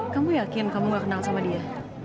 kamu yakin kamu gak kenal sama dia